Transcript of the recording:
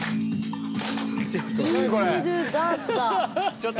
ちょっと。